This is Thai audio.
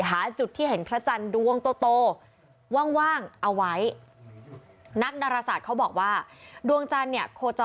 หาจุดที่เห็นกระจันดวงโตว่างเอาไว้